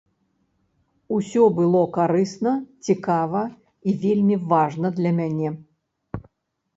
Усё было карысна, цікава і вельмі важна для мяне.